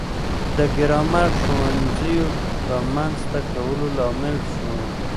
د ګرامر ښوونځیو رامنځته کولو لامل شو.